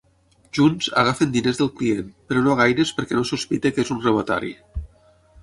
Junts, agafen diners del client, però no gaires perquè no sospiti que és un robatori.